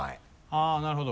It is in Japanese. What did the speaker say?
あっなるほど。